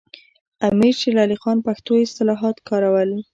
امیر شیر علي خان پښتو اصطلاحات کارول.